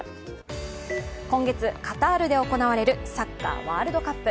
今月、カタールで行われるサッカーワールドカップ。